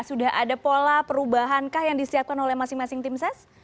sudah ada pola perubahankah yang disiapkan oleh masing masing tim ses